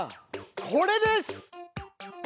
これです！